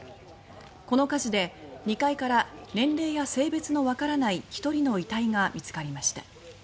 この火事で２階から年齢や性別のわからない１人の遺体が見つかりました。